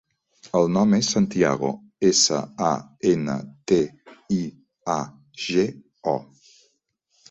El nom és Santiago: essa, a, ena, te, i, a, ge, o.